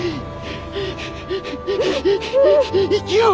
生きよう！